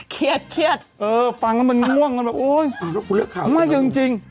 เครียดเออฟังแล้วมันง่วงมันแบบโอ้ยไม่จริง